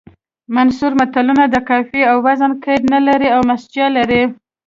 منثور متلونه د قافیې او وزن قید نه لري او مسجع دي